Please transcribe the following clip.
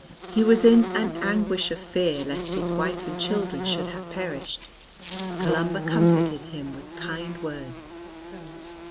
He was in an anguish of fear lest his wife and children should have perished. Columba comforted him with kind words.